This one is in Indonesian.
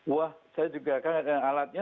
wah saya juga kagak kenal alatnya